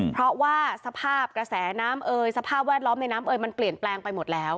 เพราะว่าสภาพกระแสน้ำเอยสภาพแวดล้อมในน้ำเอยมันเปลี่ยนแปลงไปหมดแล้ว